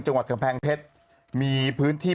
จังหวัดกำแพงเพชรมีพื้นที่